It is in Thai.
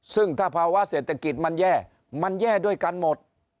ซึ่งถ้าภาวะเศรษฐกิจมันแย่มันแย่ด้วยกันหมด